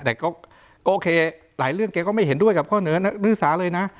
แต่ก็โอเคหลายเรื่องแกก็ไม่เห็นด้วยกับข้อเหนือลึกสาเลยนะ